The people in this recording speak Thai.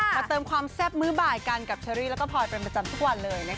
เติมความแซ่บมื้อบ่ายกันกับเชอรี่แล้วก็พลอยเป็นประจำทุกวันเลยนะคะ